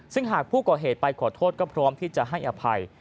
ซึ่งหากผู้ก่อเหตุไปขอโทษก็พร้อมที่จะให้อภัย